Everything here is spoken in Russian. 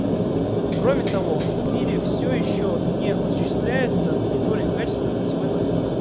Кроме того, в мире все еще не осуществляется мониторинг качества питьевой воды.